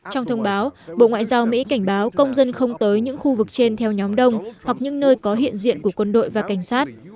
trong thông báo bộ ngoại giao mỹ cảnh báo công dân không tới những khu vực trên theo nhóm đông hoặc những nơi có hiện diện của quân đội và cảnh sát